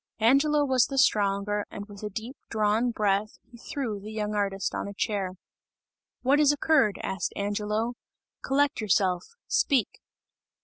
Angelo was the stronger, and with a deep drawn breath, he threw the young artist on a chair. "What has occurred?" asked Angelo, "Collect yourself! Speak!"